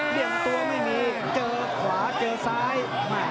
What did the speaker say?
เสมบเรื่องตัวไม่มีเจอขวาเจอซ้าย